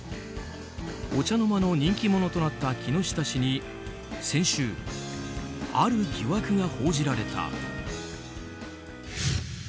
お茶の間の人気者となった木下氏に、先週ある疑惑が報じられた。